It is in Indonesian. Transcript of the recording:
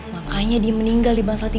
makanya dia meninggal di bangsa tiga belas